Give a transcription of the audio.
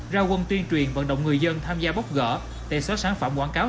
ra quân tuyên truyền vận động người dân tham gia bốc gỡ để xóa sản phẩm quảng cáo